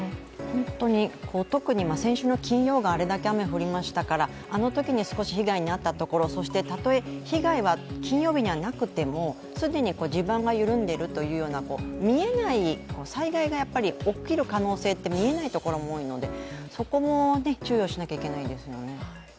本当に特に先週の金曜があれだけ雨降りましたからあのときに少し被害に遭ったところ、そしてたとえ、被害は金曜日になくても既に地盤が緩んでいるというような、災害が起きる可能性って、見えないところも多いのでそこも注意をしなきゃいけないですよね。